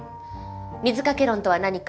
水掛け論とは何か。